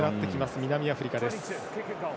南アフリカです。